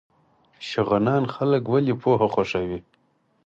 شغنان خلک ولې پوهه خوښوي؟